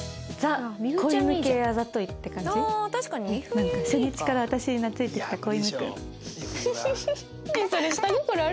なんか初日から私に懐いてきた子犬君。